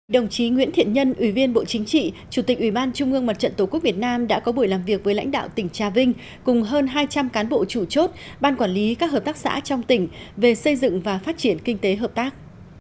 đồng chí nguyễn thiện nhân ủy viên bộ chính trị chủ tịch ủy ban trung ương mặt trận tổ quốc việt nam đã có buổi làm việc với lãnh đạo tỉnh trà vinh cùng hơn hai trăm linh cán bộ chủ chốt ban quản lý các hợp tác xã trong tỉnh về xây dựng và phát triển kinh tế hợp tác